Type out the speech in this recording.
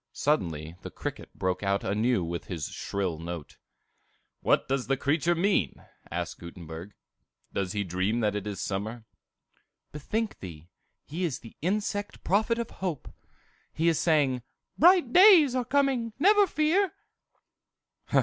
Suddenly the cricket broke out anew with his shrill note. "What does the creature mean?" asked Gutenberg. "Does he dream that it is summer?" "Bethink thee; he is the insect prophet of hope. He is saying, 'Bright days are coming, never fear!